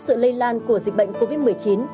sự lây lan của dịch bệnh covid một mươi chín